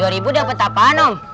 rp dua dapet apaan om